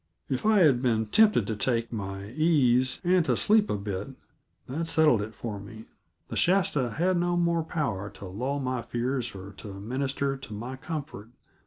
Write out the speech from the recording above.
If I had been tempted to take my ease and to sleep a bit, that settled it for me. The Shasta had no more power to lull my fears or to minister to my comfort.